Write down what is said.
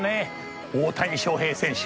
大谷翔平選手